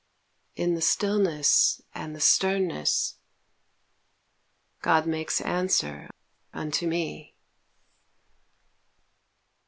In the stillness and the sternness God makes answer unto me.